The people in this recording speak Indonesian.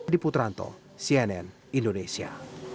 di putranto cnn indonesia